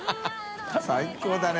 最高だね。